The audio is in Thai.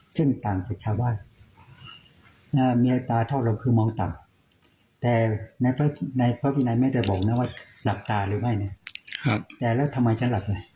ซึ่งต่างจากชาวบ้าน